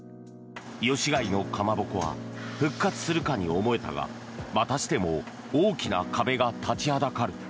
吉開のかまぼこは復活するかに思えたがまたしても大きな壁が立ちはだかる。